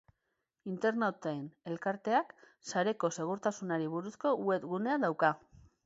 Internauten elkarteak sareko segurtasunari buruzko web gunea dauka.